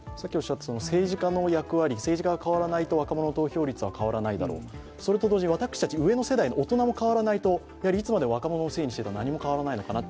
政治家の役割、政治家が変わらないと若者の投票率は変わらないだろう、それと同時に私たち上の世代の大人も変わらないといつまでも若者のせいにしてたら何も変わらないのかなと。